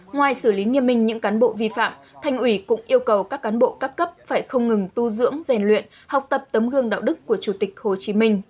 ngoài xử lý nghiêm minh những cán bộ vi phạm thành ủy cũng yêu cầu các cán bộ các cấp phải không ngừng tu dưỡng rèn luyện học tập tấm gương đạo đức của chủ tịch hồ chí minh